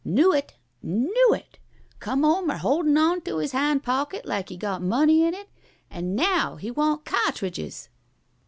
Knew it! Knew it! Come home er holdin' on to his hind pocket like he got money in it. An' now he want ca'tridgers."